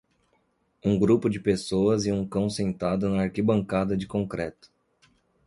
Um grupo de pessoas e um cão sentado na arquibancada de concreto.